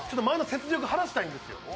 前の雪辱を晴らしたいんですよ。